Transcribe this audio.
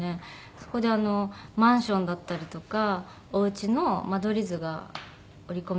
そこであのマンションだったりとかお家の間取り図が折り込み